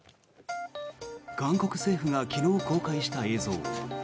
韓国政府が昨日公開した映像。